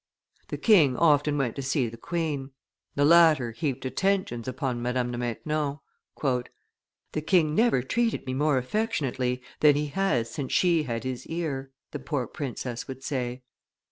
The king often went to see the queen; the latter heaped attentions upon Madame de Maintenon. "The king never treated me more affectionately than he has since she had his ear," the poor princess would say.